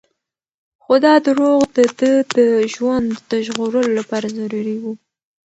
خو دا دروغ د ده د ژوند د ژغورلو لپاره ضروري وو.